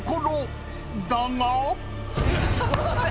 ［だが］